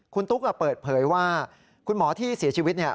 คุณตุ๊กเปิดเผยว่าคุณหมอที่เสียชีวิต